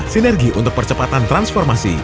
sinergi untuk percepatan transformasi